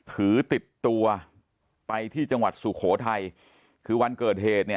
ถือติดตัวไปที่จังหวัดสุโขทัยคือวันเกิดเหตุเนี่ย